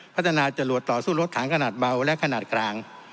พัฒนาจะหลวดต่อสู้ลดถังขนาดเบาและขนาดกลาง